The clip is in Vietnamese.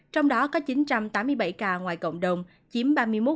trong đó có chín trăm tám mươi bảy ca ngoài cộng đồng chiếm ba mươi một ba mươi năm